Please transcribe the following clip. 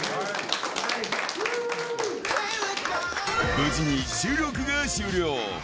無事に収録が終了。